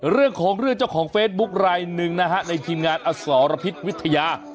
เรื่องของเรื่องเจ้าของเฟซบุ๊คลายหนึ่งนะฮะในทีมงานอสรพิษวิทยา